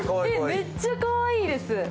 めっちゃかわいいです。